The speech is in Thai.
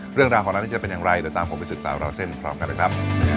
เรื่องราวของร้านนี้จะเป็นอย่างไรเดี๋ยวตามผมไปสืบสาวราวเส้นพร้อมกันเลยครับ